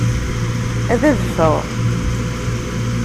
Ad adfeɣ.